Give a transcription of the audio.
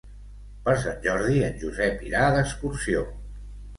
Per Sant Jordi en Josep irà d'excursió.